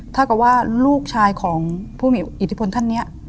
ถ้าเกิดว่าลูกชายของผู้มีอิทธิพลท่านนี้